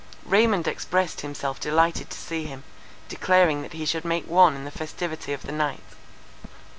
Raymond expressed himself delighted to see him, declaring that he should make one in the festivity of the night.